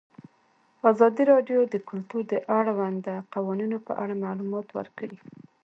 ازادي راډیو د کلتور د اړونده قوانینو په اړه معلومات ورکړي.